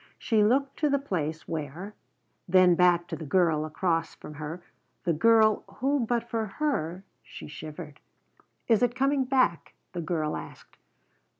She looked to the place where then back to the girl across from her the girl who but for her She shivered. "Is it coming back?" the girl asked.